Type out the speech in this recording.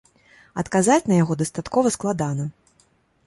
Адказаць на яго дастаткова складана.